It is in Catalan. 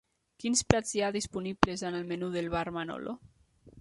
Quins plats hi ha disponibles en el menú del bar Manolo?